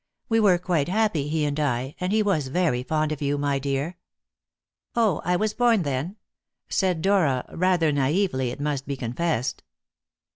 We were quite happy, he and I, and he was very fond of you, my dear." "Oh! I was born then?" said Dora, rather naïvely, it must be confessed.